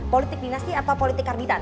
politik dinasti atau politik karbitan